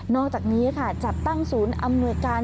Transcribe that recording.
อกจากนี้ค่ะจัดตั้งศูนย์อำนวยการ